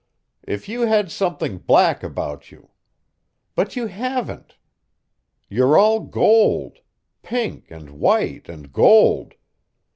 "If you had something black about you. But you haven't. You're all gold pink and white and gold.